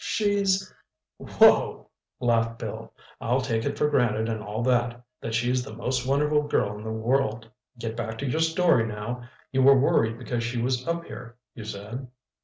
She's—" "Whoa!" laughed Bill. "I'll take it for granted and all that, that she's the most wonderful girl in the world.... Get back to your story, now. You were worried because she was up here, you said?"